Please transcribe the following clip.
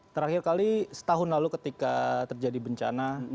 terakhir kali setahun lalu ketika terjadi bencana